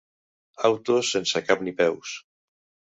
Autos sense cap ni peus.